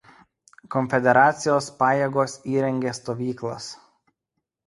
Konfederacijos pajėgos įrengė stovyklas.